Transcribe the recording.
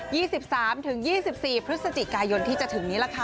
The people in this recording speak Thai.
ี่สิบสามถึงยี่สิบสี่พฤศจิกายนที่จะถึงนี้ล่ะค่ะ